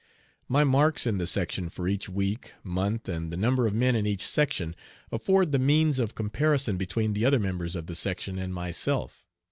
My marks in the section for each week, month, and the number of men in each section, afford the means of comparison between the other members of the section and myself.